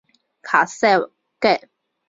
卡萨盖。